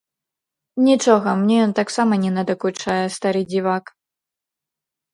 Нічога, мне ён таксама не надакучае, стары дзівак.